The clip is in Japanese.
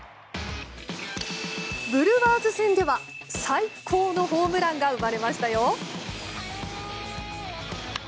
ブルワーズ戦では最高のホームランが生まれましたよ。